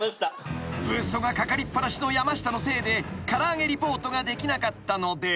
［ブーストがかかりっ放しの山下のせいで唐揚げリポートができなかったので］